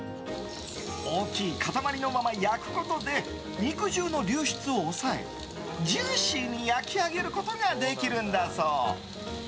大きい塊のまま焼くことで肉汁の流出を抑えジューシーに焼き上げることができるんだそう。